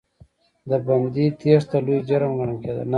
د بندي تېښته لوی جرم ګڼل کېده.